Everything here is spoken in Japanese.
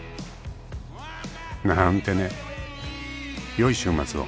［なーんてね良い週末を］